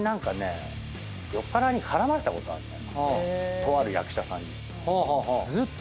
とある役者さんに。